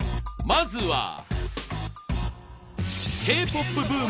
まずは。